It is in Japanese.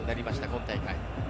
今大会。